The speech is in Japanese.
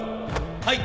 はい。